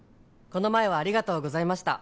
「この前はありがとうございました！